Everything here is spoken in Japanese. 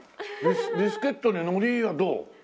ビスケットにのりはどう？